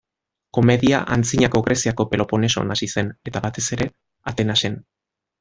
Komedia Antzinako Greziako Peloponeson hasi zen, eta, batez ere, Atenasen.